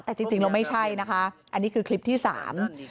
แต่จริงจริงแล้วไม่ใช่นะคะอันนี้คือคลิปที่สาม